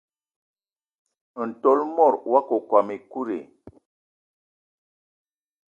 Ntol mot wakokóm ekut i?